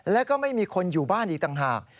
แล้วก็ไม่มีคนอยู่บ้านอีกต่างหาก